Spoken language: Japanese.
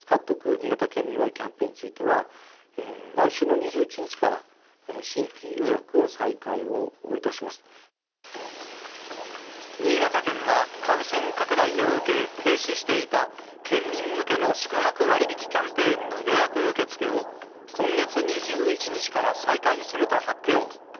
にいがた県民割キャンペーンについては、来週の２１日から、新潟県は、感染拡大を受け、停止していた県民向けの宿泊割引キャンペーンの予約受け付けを、今月２１日から再開すると発表。